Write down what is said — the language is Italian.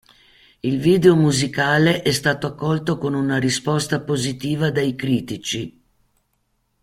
Il video musicale è stato accolto con una risposta positiva dai critici.